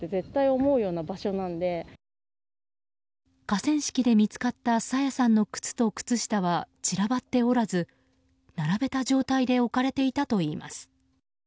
河川敷で見つかった朝芽さんの靴と靴下は散らばっておらず並べた状態で置かれていたといいます。